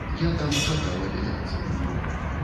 Я там чакаў апеляцыі.